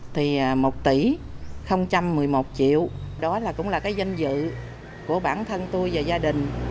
thì một tỷ một mươi một triệu đó là cũng là cái danh dự của bản thân tôi và gia đình